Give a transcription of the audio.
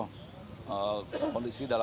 kondisi dalam keadaan terkendali ya